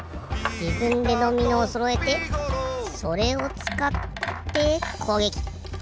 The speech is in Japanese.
じぶんでドミノをそろえてそれをつかってこうげき！